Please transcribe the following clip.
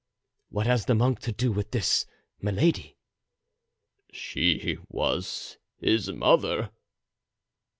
"What has the monk to do with this Milady?" "She was his mother."